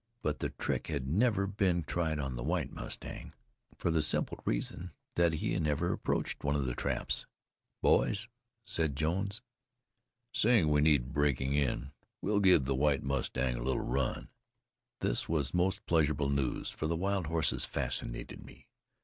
But the trick had never even been tried on the White Mustang, for the simple reason that he never approached one of these traps. "Boys," said Jones, "seeing we need breaking in, we'll give the White Mustang a little run." This was most pleasurable news, for the wild horses fascinated me.